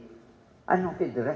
saya tidak berinteres